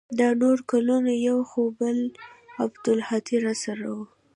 دا نور کلونه يو خو به عبدالهادي راسره و.